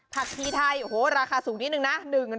ผักชีไทยโอ้โหราคาสูงนิดนึงนะ